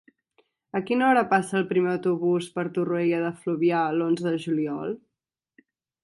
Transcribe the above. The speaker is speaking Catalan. A quina hora passa el primer autobús per Torroella de Fluvià l'onze de juliol?